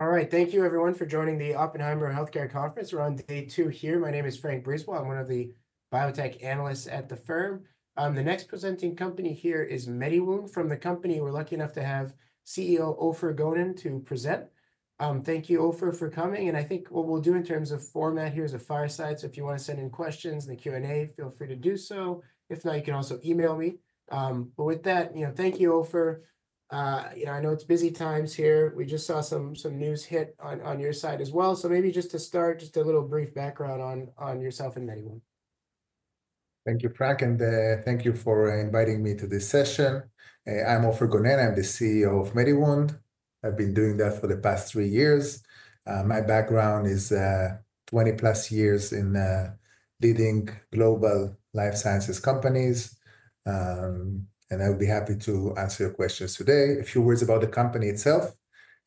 All right, thank you everyone for joining the Oppenheimer Healthcare Conference. We're on day two here. My name is Frank Brisebois. I'm one of the biotech analysts at the firm. The next presenting company here is MediWound. From the company, we're lucky enough to have CEO Ofer Gonen to present. Thank you, Ofer, for coming. I think what we'll do in terms of format here is a fireside. If you want to send in questions in the Q&A, feel free to do so. If not, you can also email me. With that, you know, thank you, Ofer. You know, I know it's busy times here. We just saw some news hit on your side as well. Maybe just to start, just a little brief background on yourself and MediWound. Thank you, Frank, and thank you for inviting me to this session. I'm Ofer Gonen. I'm the CEO of MediWound. I've been doing that for the past three years. My background is 20+ years in leading global life sciences companies. I'll be happy to answer your questions today. A few words about the company itself.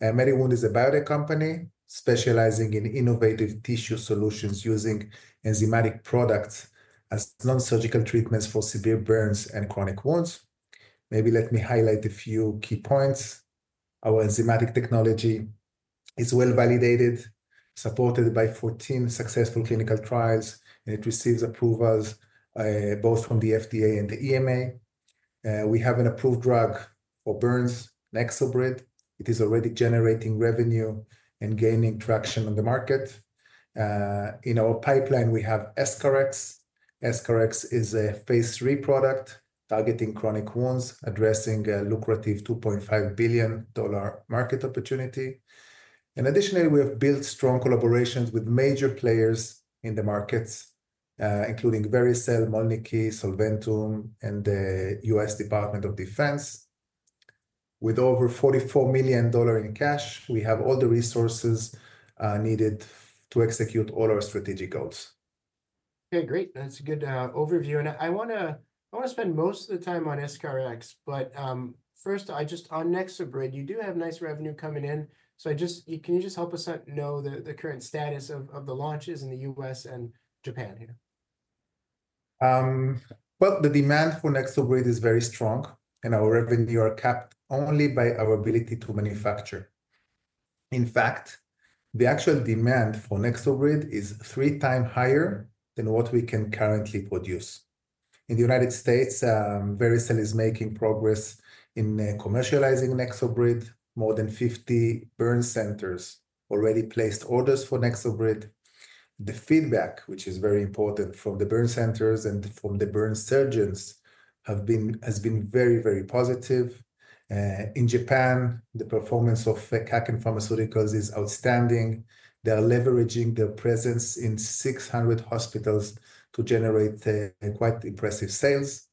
MediWound is a biotech company specializing in innovative tissue solutions using enzymatic products as non-surgical treatments for severe burns and chronic wounds. Maybe let me highlight a few key points. Our enzymatic technology is well validated, supported by 14 successful clinical trials, and it receives approvals both from the FDA and the EMA. We have an approved drug for burns, NexoBrid. It is already generating revenue and gaining traction on the market. In our pipeline, we have EscharEx. EscharEx is a phase III product targeting chronic wounds, addressing a lucrative $2.5 billion market opportunity. Additionally, we have built strong collaborations with major players in the markets, including Vericel, Mölnlycke, Solventum, and the U.S. Department of Defense. With over $44 million in cash, we have all the resources needed to execute all our strategic goals. Okay, great. That's a good overview. I want to spend most of the time on EscharEx. First, I just, on NexoBrid, you do have nice revenue coming in. I just, can you just help us know the current status of the launches in the U.S. and Japan here? The demand for NexoBrid is very strong, and our revenue is capped only by our ability to manufacture. In fact, the actual demand for NexoBrid is three times higher than what we can currently produce. In the United States, Vericel is making progress in commercializing NexoBrid. More than 50 burn centers have already placed orders for NexoBrid. The feedback, which is very important from the burn centers and from the burn surgeons, has been very, very positive. In Japan, the performance of KAKEN Pharmaceutical is outstanding. They are leveraging their presence in 600 hospitals to generate quite impressive sales.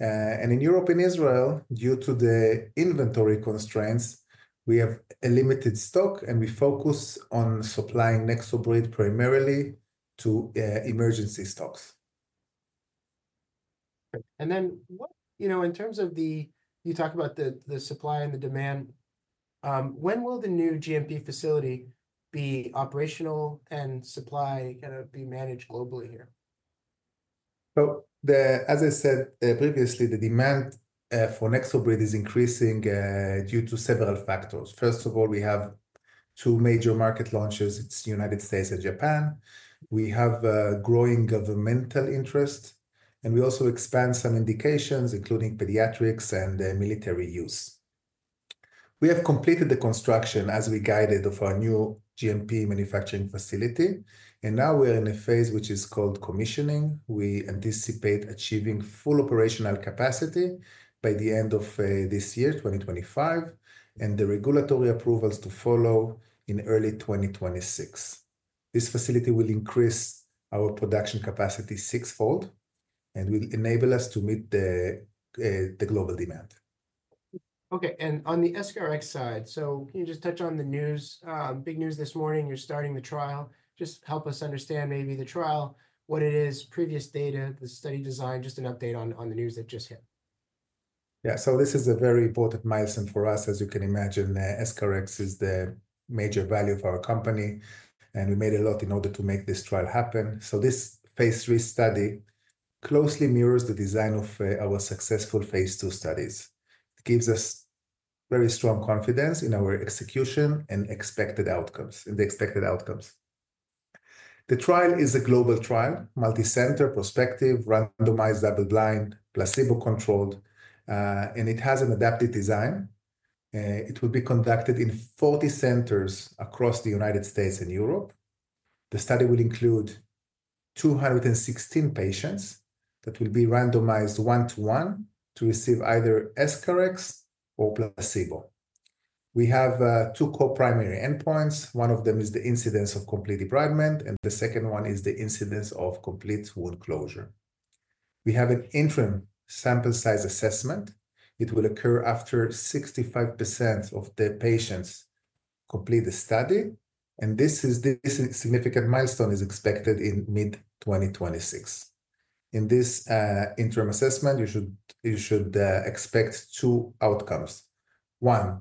In Europe and Israel, due to the inventory constraints, we have a limited stock, and we focus on supplying NexoBrid primarily to emergency stocks. What, you know, in terms of the, you talk about the supply and the demand, when will the new GMP facility be operational and supply kind of be managed globally here? As I said previously, the demand for NexoBrid is increasing due to several factors. First of all, we have two major market launches. It is the United States and Japan. We have a growing governmental interest. We also expand some indications, including pediatrics and military use. We have completed the construction, as we guided, of our new GMP manufacturing facility. Now we are in a phase which is called commissioning. We anticipate achieving full operational capacity by the end of this year, 2025, and the regulatory approvals to follow in early 2026. This facility will increase our production capacity sixfold, and will enable us to meet the global demand. Okay. On the EscharEx side, can you just touch on the news, big news this morning? You're starting the trial. Just help us understand maybe the trial, what it is, previous data, the study design, just an update on the news that just hit. Yeah, this is a very important milestone for us. As you can imagine, EscharEx is the major value of our company. We made a lot in order to make this trial happen. This phase III study closely mirrors the design of our successful phase II studies. It gives us very strong confidence in our execution and expected outcomes, in the expected outcomes. The trial is a global trial, multi-center, prospective, randomized, double-blind, placebo-controlled. It has an adapted design. It will be conducted in 40 centers across the United States and Europe. The study will include 216 patients that will be randomized one-to-one to receive either EscharEx or placebo. We have two co-primary endpoints. One of them is the incidence of complete debridement, and the second one is the incidence of complete wound closure. We have an interim sample size assessment. It will occur after 65% of the patients complete the study. This significant milestone is expected in mid-2026. In this interim assessment, you should expect two outcomes. One,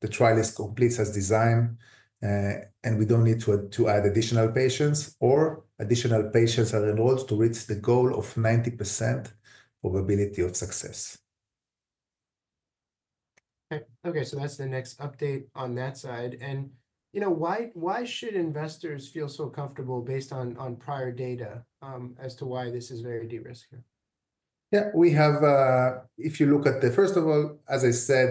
the trial is complete as designed, and we do not need to add additional patients, or additional patients are enrolled to reach the goal of 90% probability of success. Okay. That's the next update on that side. You know, why should investors feel so comfortable based on prior data as to why this is very de-risk here? Yeah, we have, if you look at the, first of all, as I said,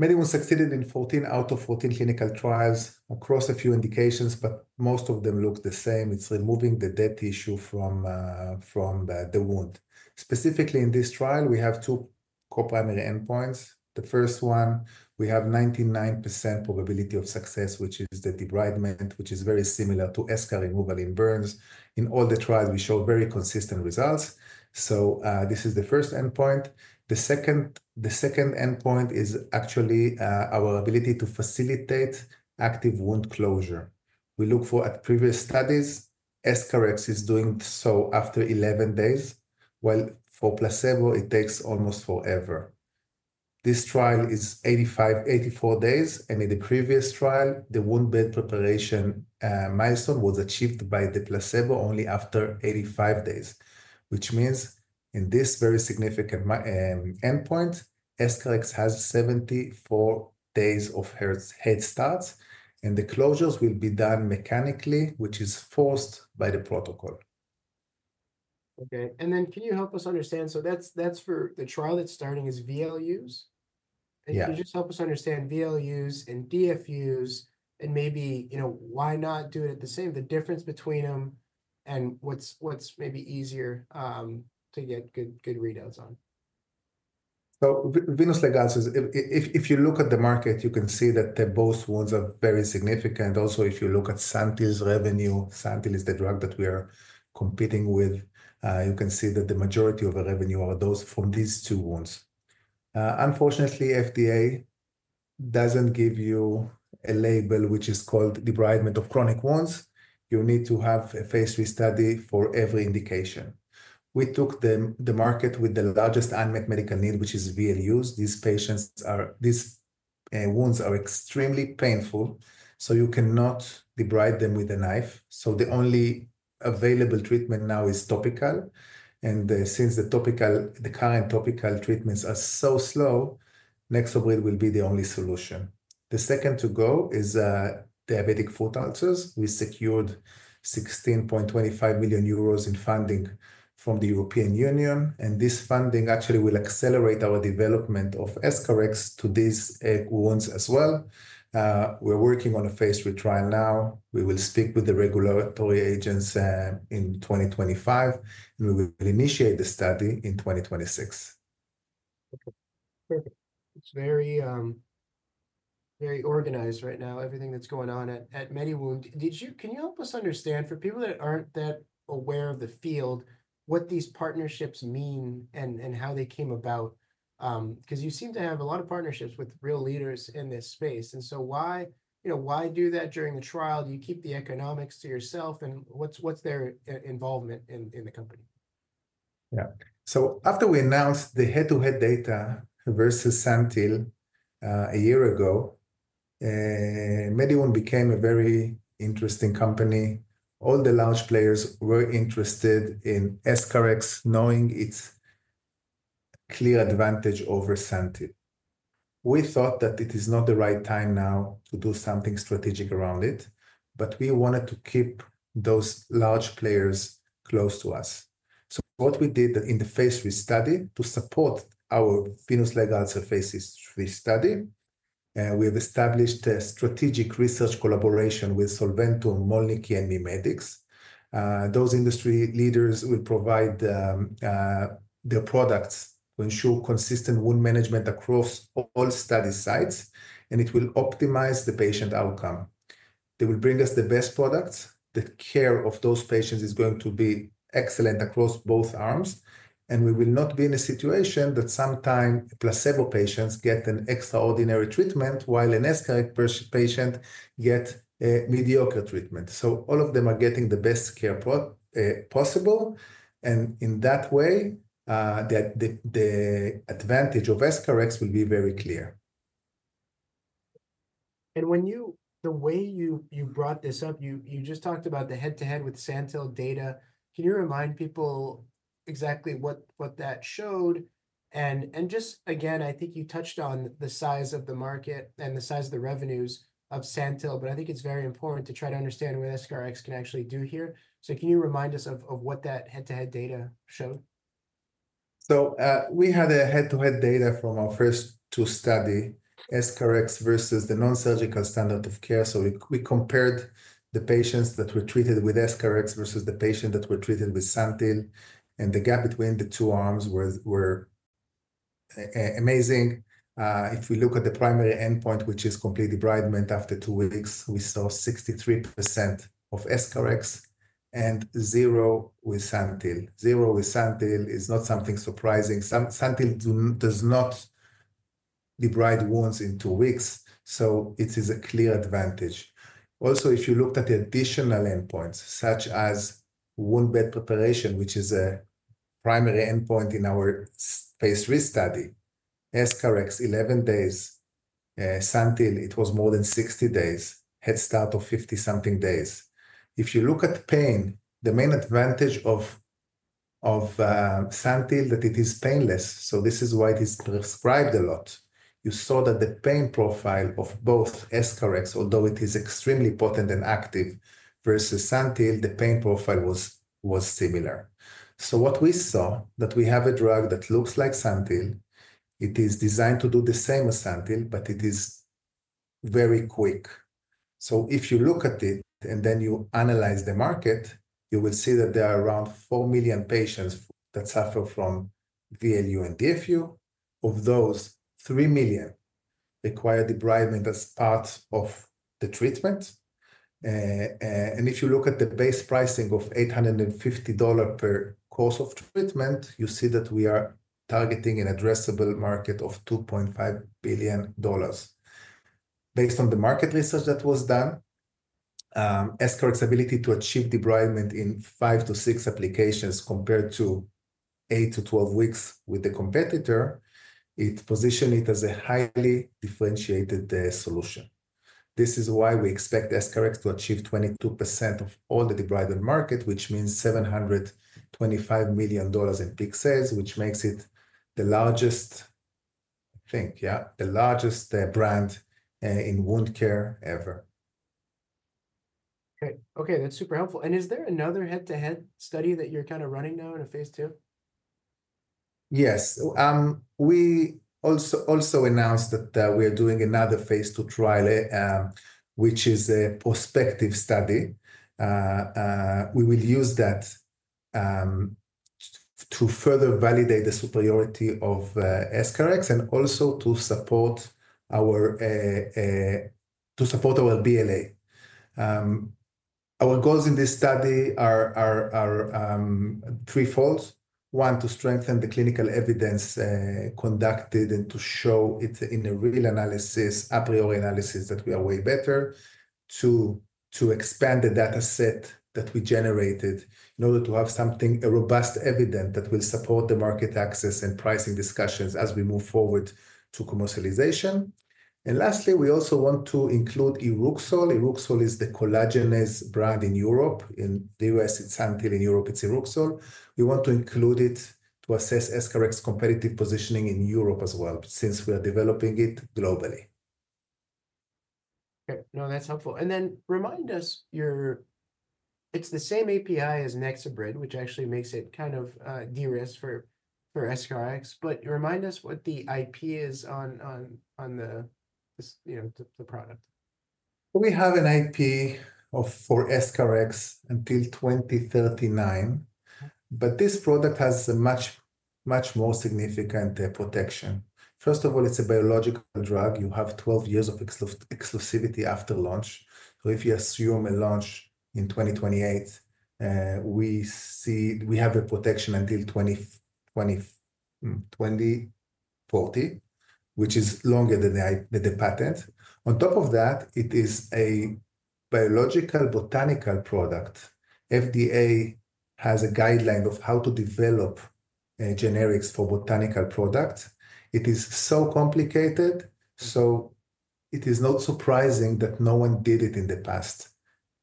MediWound succeeded in 14 out of 14 clinical trials across a few indications, but most of them look the same. It's removing the dead tissue from the wound. Specifically in this trial, we have two co-primary endpoints. The first one, we have 99% probability of success, which is the debridement, which is very similar to eschar removal in burns. In all the trials, we showed very consistent results. This is the first endpoint. The second endpoint is actually our ability to facilitate active wound closure. We look for previous studies. EscharEx is doing so after 11 days, while for placebo, it takes almost forever. This trial is 84 days. In the previous trial, the wound bed preparation milestone was achieved by the placebo only after 85 days, which means in this very significant endpoint, EscharEx has 74 days of head start, and the closures will be done mechanically, which is forced by the protocol. Okay. Can you help us understand, so that's for the trial that's starting is VLUs? Yeah. Can you just help us understand VLUs and DFUs and maybe, you know, why not do it at the same, the difference between them and what's maybe easier to get good readouts on? Venous leg ulcers, if you look at the market, you can see that both wounds are very significant. Also, if you look at SANTYL's revenue, SANTYL is the drug that we are competing with. You can see that the majority of the revenue are those from these two wounds. Unfortunately, the FDA doesn't give you a label which is called debridement of chronic wounds. You need to have a phase III study for every indication. We took the market with the largest unmet medical need, which is VLUs. These patients are, these wounds are extremely painful, so you cannot debride them with a knife. The only available treatment now is topical. Since the current topical treatments are so slow, NexoBrid will be the only solution. The second to go is diabetic foot ulcers. We secured 16.25 million euros in funding from the European Union. This funding actually will accelerate our development of EscharEx to these wounds as well. We're working on a phase III trial now. We will speak with the regulatory agents in 2025, and we will initiate the study in 2026. Okay. Perfect. It's very organized right now, everything that's going on at MediWound. Can you help us understand, for people that aren't that aware of the field, what these partnerships mean and how they came about? Because you seem to have a lot of partnerships with real leaders in this space. You know, why do that during the trial? Do you keep the economics to yourself? What's their involvement in the company? Yeah. After we announced the head-to-head data versus SANTYL a year ago, MediWound became a very interesting company. All the large players were interested in EscharEx, knowing its clear advantage over SANTYL. We thought that it is not the right time now to do something strategic around it, but we wanted to keep those large players close to us. What we did in the phase III study to support our venous leg ulcer phase III study, we have established a strategic research collaboration with Solventum, Mölnlycke, and MIMEDX. Those industry leaders will provide their products to ensure consistent wound management across all study sites, and it will optimize the patient outcome. They will bring us the best products. The care of those patients is going to be excellent across both arms. We will not be in a situation that sometimes placebo patients get an extraordinary treatment while an EscharEx patient gets mediocre treatment. All of them are getting the best care possible. In that way, the advantage of EscharEx will be very clear. The way you brought this up, you just talked about the head-to-head with SANTYL data. Can you remind people exactly what that showed? I think you touched on the size of the market and the size of the revenues of SANTYL, but I think it is very important to try to understand what EscharEx can actually do here. Can you remind us of what that head-to-head data showed? We had head-to-head data from our first two studies, EscharEx versus the non-surgical standard of care. We compared the patients that were treated with EscharEx versus the patients that were treated with SANTYL. The gap between the two arms was amazing. If we look at the primary endpoint, which is complete debridement after two weeks, we saw 63% with EscharEx and 0% with SANTYL. Zero with SANTYL is not something surprising. SANTYL does not debride wounds in two weeks. It is a clear advantage. Also, if you looked at the additional endpoints, such as wound bed preparation, which is a primary endpoint in our phase III study, EscharEx, 11 days, SANTYL, it was more than 60 days, head start of 50-something days. If you look at pain, the main advantage of SANTYL is that it is painless. This is why it is prescribed a lot. You saw that the pain profile of both EscharEx, although it is extremely potent and active versus SANTYL, the pain profile was similar. What we saw, that we have a drug that looks like SANTYL, it is designed to do the same as SANTYL, but it is very quick. If you look at it and then you analyze the market, you will see that there are around 4 million patients that suffer from VLU and DFU. Of those, 3 million require debridement as part of the treatment. If you look at the base pricing of $850 per course of treatment, you see that we are targeting an addressable market of $2.5 billion. Based on the market research that was done, EscharEx's ability to achieve debridement in five to six applications compared to eight to twelve weeks with the competitor, it positioned it as a highly differentiated solution. This is why we expect EscharEx to achieve 22% of all the debridement market, which means $725 million in peak sales, which makes it the largest, I think, yeah, the largest brand in wound care ever. Okay. Okay. That's super helpful. Is there another head-to-head study that you're kind of running now in a phase II? Yes. We also announced that we are doing another phase II trial, which is a prospective study. We will use that to further validate the superiority of EscharEx and also to support our BLA. Our goals in this study are threefold. One, to strengthen the clinical evidence conducted and to show it in a real analysis, a priori analysis that we are way better. Two, to expand the dataset that we generated in order to have something, a robust evidence that will support the market access and pricing discussions as we move forward to commercialization. Lastly, we also want to include IRUXOL. IRUXOL is the collagenase brand in Europe. In the U.S., it's SANTYL. In Europe, it's IRUXOL. We want to include it to assess EscharEx's competitive positioning in Europe as well, since we are developing it globally. Okay. No, that's helpful. Remind us, it's the same API as NexoBrid, which actually makes it kind of de-risk for EscharEx. Remind us what the IP is on the, you know, the product. We have an IP for EscharEx until 2039. This product has a much, much more significant protection. First of all, it's a biological drug. You have 12 years of exclusivity after launch. If you assume a launch in 2028, we see we have a protection until 2040, which is longer than the patent. On top of that, it is a biological, botanical product. FDA has a guideline of how to develop generics for botanical products. It is so complicated, it is not surprising that no one did it in the past.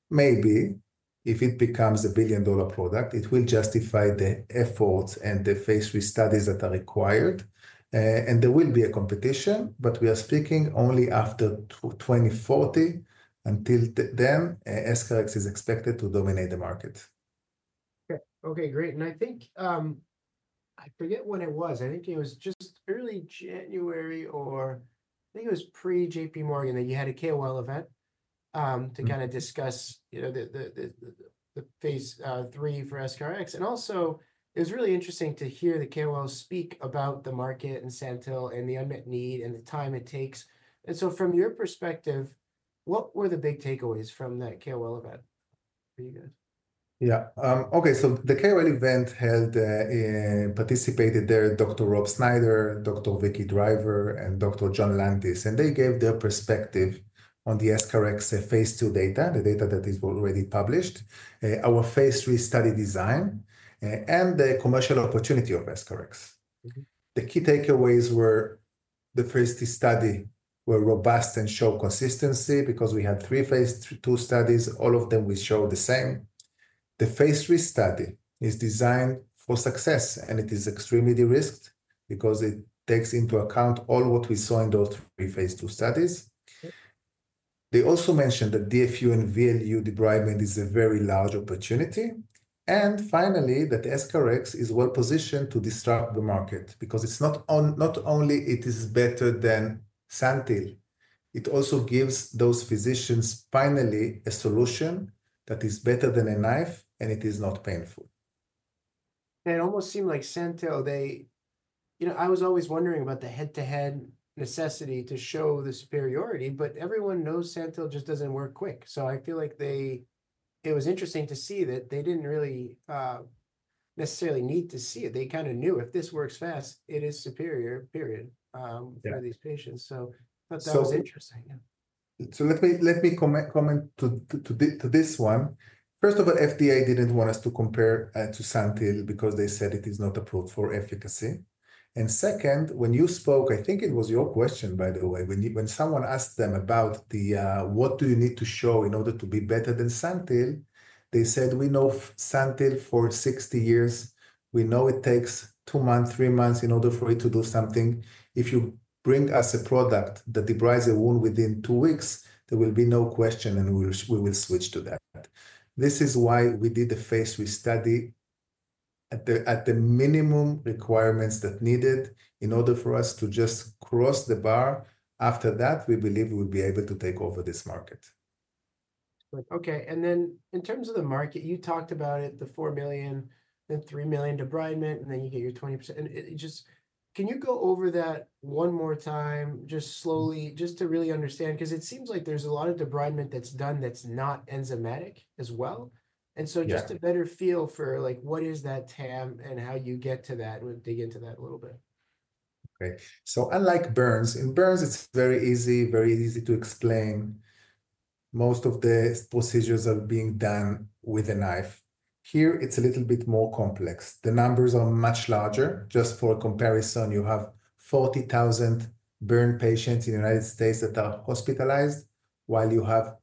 Maybe if it becomes a billion-dollar product, it will justify the efforts and the phase III studies that are required. There will be a competition, but we are speaking only after 2040. Until then, EscharEx is expected to dominate the market. Okay. Okay. Great. I think, I forget when it was, I think it was just early January or I think it was pre-JPMorgan that you had a KOL event to kind of discuss, you know, the phase III for EscharEx. Also, it was really interesting to hear the KOL speak about the market and SANTYL and the unmet need and the time it takes. From your perspective, what were the big takeaways from that KOL event for you guys? Yeah. Okay. The KOL event had participated there, Dr. Rob Snyder, Dr. Vickie Driver, and Dr. John Lantis. They gave their perspective on the EscharEx phase II data, the data that is already published, our phase III study design, and the commercial opportunity of EscharEx. The key takeaways were the phase III studies were robust and showed consistency because we had three phase II studies. All of them we showed the same. The phase III study is designed for success, and it is extremely de-risked because it takes into account all what we saw in those three phase II studies. They also mentioned that DFU and VLU debridement is a very large opportunity. EscharEx is well positioned to disturb the market because it's not only it is better than SANTYL, it also gives those physicians finally a solution that is better than a knife, and it is not painful. It almost seemed like SANTYL, you know, I was always wondering about the head-to-head necessity to show the superiority, but everyone knows SANTYL just doesn't work quick. I feel like they, it was interesting to see that they didn't really necessarily need to see it. They kind of knew if this works fast, it is superior, period, for these patients. That was interesting. Let me comment to this one. First of all, FDA didn't want us to compare to SANTYL because they said it is not approved for efficacy. Second, when you spoke, I think it was your question, by the way, when someone asked them about the, what do you need to show in order to be better than SANTYL, they said, we know SANTYL for 60 years. We know it takes two months, three months in order for it to do something. If you bring us a product that debrides a wound within two weeks, there will be no question, and we will switch to that. This is why we did the phase III study at the minimum requirements that needed in order for us to just cross the bar. After that, we believe we'll be able to take over this market. Okay. In terms of the market, you talked about it, the 4 million, then 3 million debridement, and then you get your 20%. Just can you go over that one more time, just slowly, just to really understand? Because it seems like there's a lot of debridement that's done that's not enzymatic as well. Just to better feel for like what is that TAM and how you get to that, we'll dig into that a little bit. Okay. Unlike burns, in burns, it's very easy, very easy to explain. Most of the procedures are being done with a knife. Here, it's a little bit more complex. The numbers are much larger. Just for comparison, you have 40,000 burn patients in the United States that are hospitalized, while you have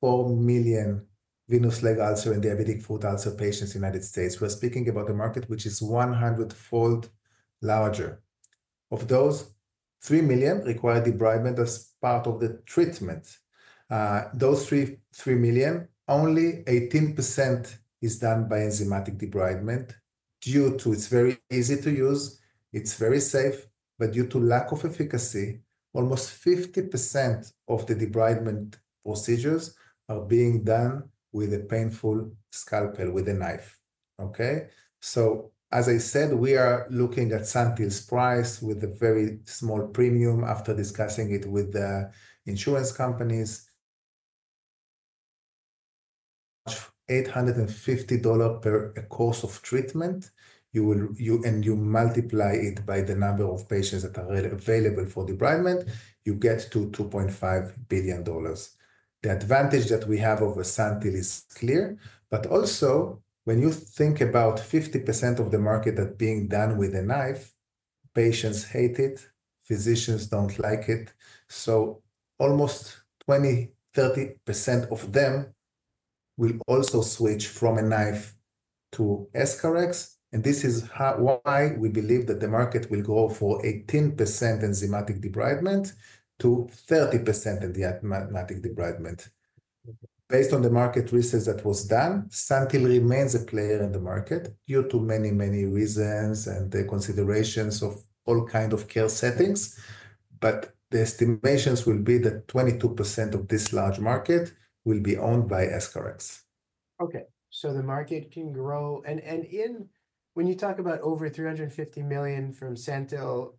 4 million venous leg ulcer and diabetic foot ulcer patients in the United States. We're speaking about the market, which is 100-fold larger. Of those, 3 million require debridement as part of the treatment. Those 3 million, only 18% is done by enzymatic debridement due to it's very easy to use, it's very safe, but due to lack of efficacy, almost 50% of the debridement procedures are being done with a painful scalpel with a knife. Okay? As I said, we are looking at SANTYL's price with a very small premium after discussing it with the insurance companies. $850 per course of treatment, you will, and you multiply it by the number of patients that are available for debridement, you get to $2.5 billion. The advantage that we have over SANTYL is clear. Also, when you think about 50% of the market that's being done with a knife, patients hate it, physicians don't like it. Almost 20%-30% of them will also switch from a knife to EscharEx. This is why we believe that the market will go from 18% enzymatic debridement to 30% enzymatic debridement. Based on the market research that was done, SANTYL remains a player in the market due to many, many reasons and considerations of all kinds of care settings. The estimations will be that 22% of this large market will be owned by EscharEx. Okay. The market can grow. And when you talk about over $350 million from SANTYL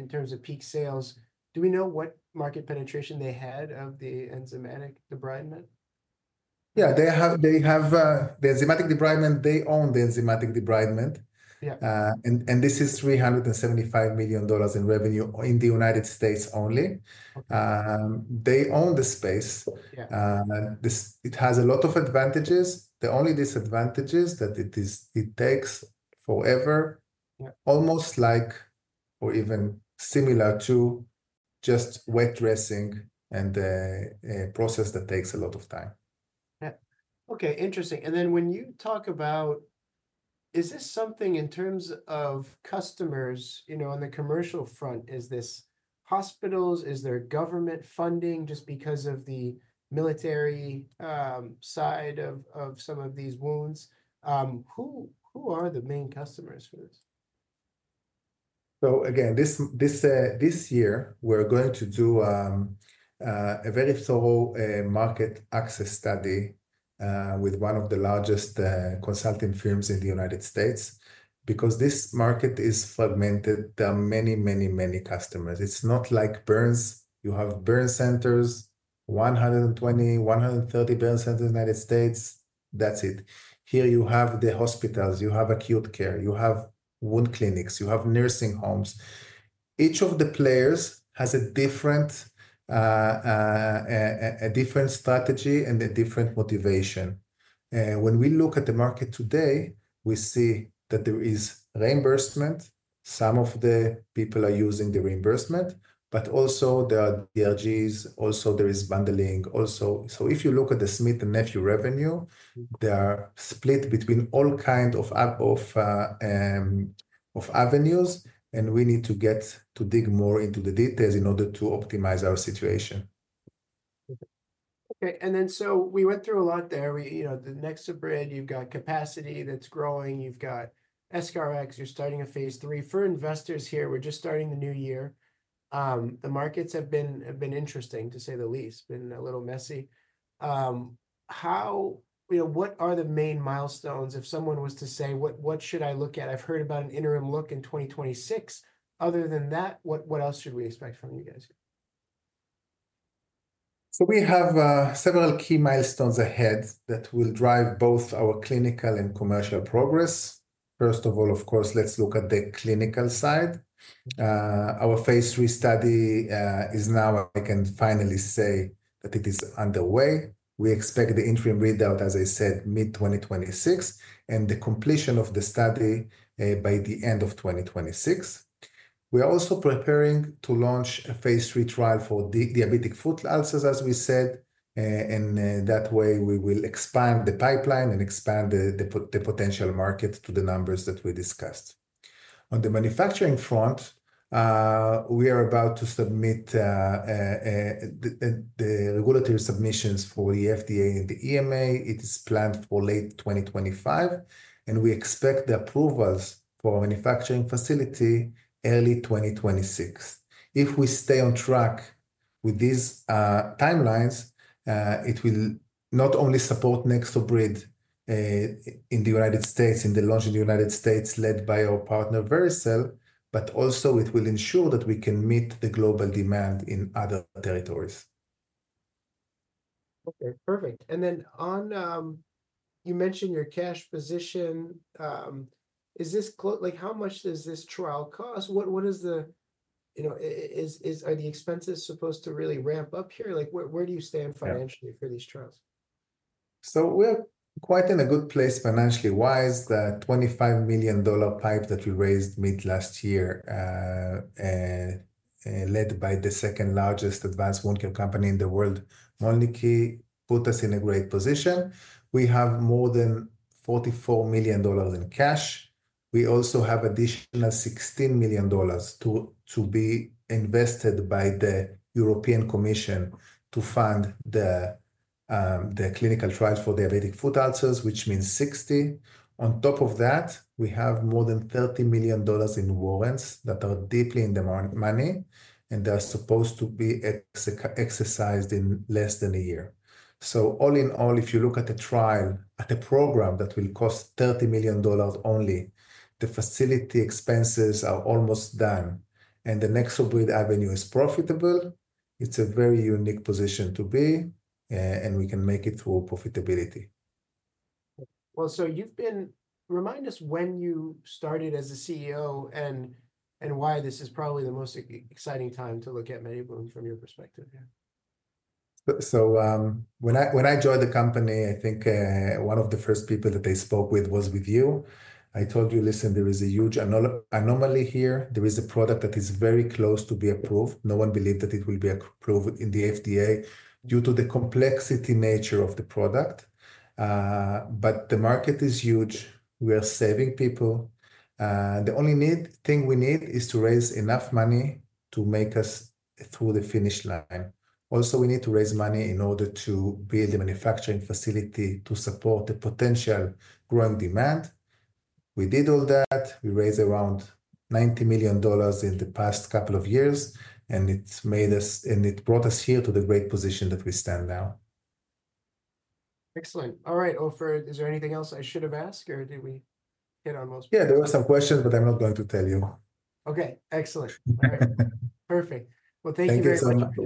in terms of peak sales, do we know what market penetration they had of the enzymatic debridement? Yeah, they have the enzymatic debridement, they own the enzymatic debridement. This is $375 million in revenue in the United States only. They own the space. It has a lot of advantages. The only disadvantage is that it takes forever, almost like or even similar to just wet dressing and a process that takes a lot of time. Yeah. Okay. Interesting. And then when you talk about, is this something in terms of customers, you know, on the commercial front, is this hospitals? Is there government funding just because of the military side of some of these wounds? Who are the main customers for this? Again, this year, we're going to do a very thorough market access study with one of the largest consulting firms in the United States because this market is fragmented. There are many, many, many customers. It's not like burns. You have burn centers, 120, 130 burn centers in the United States. That's it. Here you have the hospitals, you have acute care, you have wound clinics, you have nursing homes. Each of the players has a different strategy and a different motivation. When we look at the market today, we see that there is reimbursement. Some of the people are using the reimbursement, but also there are DRGs, also there is bundling. Also, if you look at the Smith+Nephew revenue, they are split between all kinds of avenues, and we need to get to dig more into the details in order to optimize our situation. Okay. And then we went through a lot there. You know, the NexoBrid, you've got capacity that's growing. You've got EscharEx. You're starting a phase III. For investors here, we're just starting the new year. The markets have been interesting, to say the least, been a little messy. How, you know, what are the main milestones? If someone was to say, what should I look at? I've heard about an interim look in 2026. Other than that, what else should we expect from you guys? We have several key milestones ahead that will drive both our clinical and commercial progress. First of all, of course, let's look at the clinical side. Our phase III study is now, I can finally say that it is underway. We expect the interim readout, as I said, mid-2026, and the completion of the study by the end of 2026. We are also preparing to launch a phase III trial for diabetic foot ulcers, as we said. That way, we will expand the pipeline and expand the potential market to the numbers that we discussed. On the manufacturing front, we are about to submit the regulatory submissions for the FDA and the EMA. It is planned for late 2025, and we expect the approvals for manufacturing facility early 2026. If we stay on track with these timelines, it will not only support NexoBrid in the United States, in the launch in the United States led by our partner Vericel, but also it will ensure that we can meet the global demand in other territories. Okay. Perfect. You mentioned your cash position. Is this close, like how much does this trial cost? What is the, you know, are the expenses supposed to really ramp up here? Like where do you stand financially for these trials? We're quite in a good place financially. Why is the $25 million PIPE that we raised mid-last year, led by the second largest advanced wound care company in the world, Mölnlycke, put us in a great position. We have more than $44 million in cash. We also have additional $16 million to be invested by the European Commission to fund the clinical trials for diabetic foot ulcers, which means $60 million. On top of that, we have more than $30 million in warrants that are deeply in the money, and they're supposed to be exercised in less than a year. All in all, if you look at a trial, at a program that will cost $30 million only, the facility expenses are almost done. The NexoBrid avenue is profitable. It's a very unique position to be, and we can make it through profitability. You have been, remind us when you started as CEO and why this is probably the most exciting time to look at MediWound from your perspective here. When I joined the company, I think one of the first people that they spoke with was with you. I told you, listen, there is a huge anomaly here. There is a product that is very close to be approved. No one believed that it will be approved in the FDA due to the complexity nature of the product. The market is huge. We are saving people. The only thing we need is to raise enough money to make us through the finish line. Also, we need to raise money in order to build a manufacturing facility to support the potential growing demand. We did all that. We raised around $90 million in the past couple of years, and it made us, and it brought us here to the great position that we stand now. Excellent. All right. Ofer, is there anything else I should have asked or did we hit on most? Yeah, there were some questions, but I'm not going to tell you. Okay. Excellent. Perfect. Thank you very much. Thank you so much.